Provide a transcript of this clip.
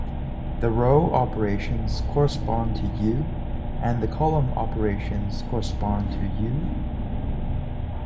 The row operations correspond to "U", and the column operations correspond to "U".